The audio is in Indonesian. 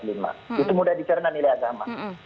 itu mudah dicerna nilai agama